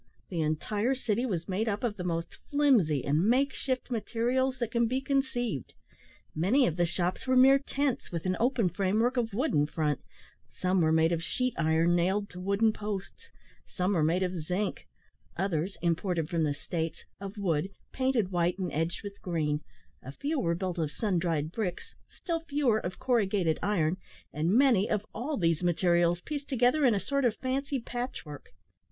The entire city was made up of the most flimsy and make shift materials that can be conceived. Many of the shops were mere tents with an open framework of wood in front; some were made of sheet iron nailed to wooden posts; some were made of zinc; others, (imported from the States), of wood, painted white, and edged with green; a few were built of sun dried bricks, still fewer of corrugated iron, and many of all these materials pieced together in a sort of fancy patchwork.